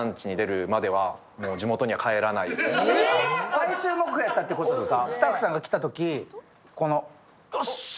最終目標やったってことですか。